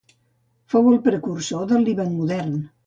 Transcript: Fou el precursor de Líban modern.